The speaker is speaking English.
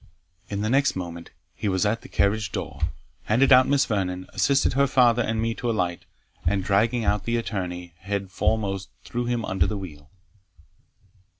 In the next moment he was at the carriage door handed out Miss Vernon, assisted her father and me to alight, and dragging out the attorney, head foremost, threw him under the wheel.